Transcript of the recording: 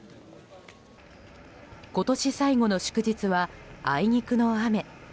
今年最後の祝日はあいにくの雨。